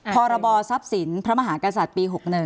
พรบทรัพย์สินพระมหากษัตริย์ปี๖๑